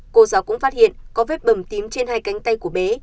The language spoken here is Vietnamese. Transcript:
cô giáo cũng phát hiện có vết bầm tím trên hai cánh tay của bé